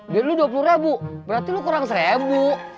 biar lo dua puluh ribu berarti lo kurang satu ribu